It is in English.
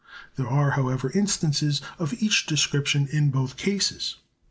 There are, however, instances of each description in both cases.